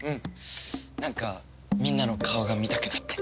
なんかみんなの顔が見たくなって。